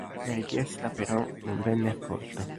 La richiesta, però, non venne accolta.